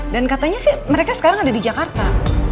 dan katanya sih mereka sekarang ada di jakarta